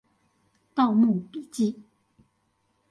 盜墓筆記